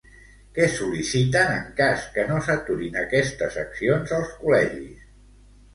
Què sol·liciten en cas que no s'aturin aquestes accions als col·legis?